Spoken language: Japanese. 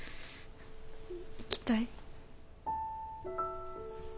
行きたい。